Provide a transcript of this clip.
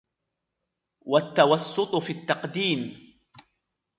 وَالتَّوَسُّطِ فِي التَّقْدِيمِ